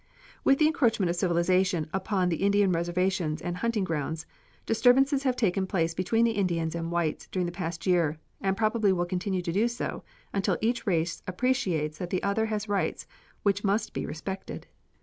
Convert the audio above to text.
With the encroachment of civilization upon the Indian reservations and hunting grounds, disturbances have taken place between the Indians and whites during the past year, and probably will continue to do so until each race appreciates that the other has rights which must be respected.